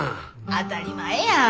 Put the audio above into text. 当たり前やん。